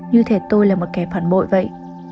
như thế tôi là một kẻ phản bội vậy